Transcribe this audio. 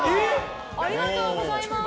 ありがとうございます。